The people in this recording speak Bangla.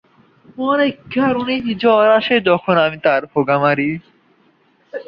অনেক কারণেই জ্বর হতে পারে।